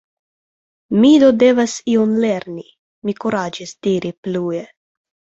Mi do devas ion lerni, mi kuraĝis diri plue.